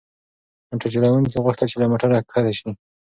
موټر چلونکي غوښتل چې له موټره کښته شي.